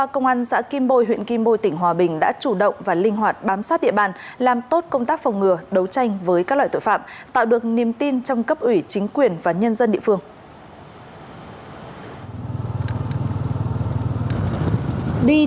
cảm ơn các bạn đã theo dõi và hẹn gặp lại